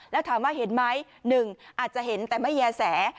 แล้วถามว่าเห็นไหม๑อาจจะเห็นแต่ไม่แย่แส